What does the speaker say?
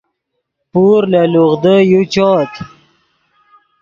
پور لے لوغدو یو چؤت